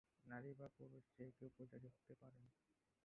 নারী বা পুরুষ যে কেউ পূজারী হতে পারেন।